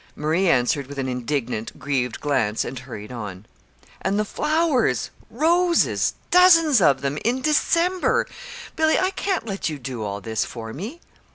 Marie answered with an indignant, grieved glance and hurried on. "And the flowers roses, dozens of them, in December! Billy, I can't let you do all this for me."